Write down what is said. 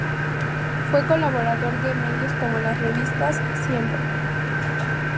Fue colaborador de medios como las revistas "Siempre!